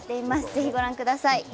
ぜひご覧ください。